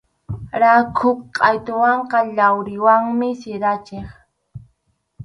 Rakhu qʼaytuwanqa yawriwanmi siranchik.